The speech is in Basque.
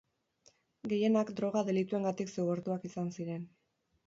Gehienak droga-delituengatik zigortuak izan ziren.